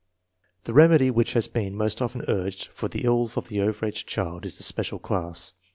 The remedy which has been most often urged for the ills of the over age child is the special class.